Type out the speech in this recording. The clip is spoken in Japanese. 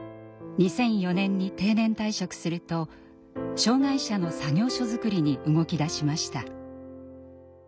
２００４年に定年退職すると障害者の作業所づくりに動きだしました。